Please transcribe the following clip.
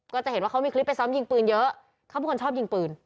ก็จะเห็นว่าเขามีคลิปไปซ้อมยิงปืนเยอะเขาเป็นคนชอบยิงปืน